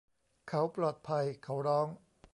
เขาปลอดภัย เขาร้อง